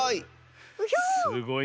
すごい！